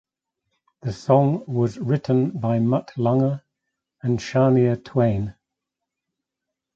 The song was written by Mutt Lange and Shania Twain.